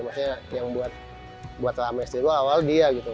maksudnya yang buat rame rame dulu awal dia gitu